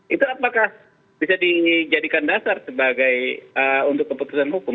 itu apakah bisa dijadikan dasar sebagai untuk keputusan hukum